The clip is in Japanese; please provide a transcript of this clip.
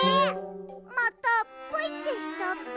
またプイってしちゃった。